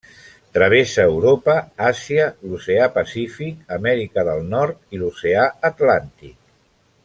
Travessa Europa, Àsia, l'Oceà Pacífic, Amèrica del Nord i l'Oceà Atlàntic.